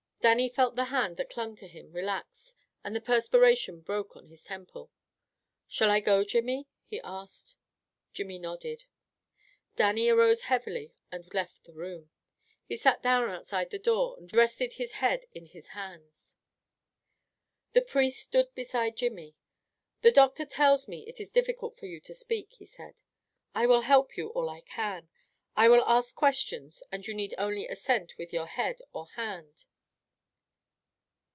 Dannie felt the hand that clung to him relax, and the perspiration broke on his temples. "Shall I go, Jimmy?" he asked. Jimmy nodded. Dannie arose heavily and left the room. He sat down outside the door and rested his head in his hands. The priest stood beside Jimmy. "The doctor tells me it is difficult for you to speak," he said, "I will help you all I can. I will ask questions and you need only assent with your head or hand.